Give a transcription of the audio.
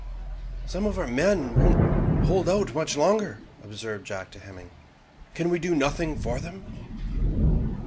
"Some of our men won't hold out much longer," observed Jack to Hemming; "can we do nothing for them?"